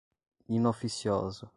inoficiosa